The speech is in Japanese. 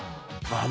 まあ